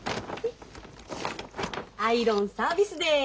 アイロンサービスデー。